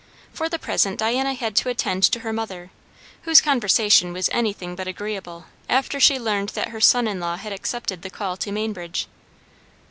For the present Diana had to attend to her mother, whose conversation was anything but agreeable after she learned that her son in law had accepted the call to Mainbridge.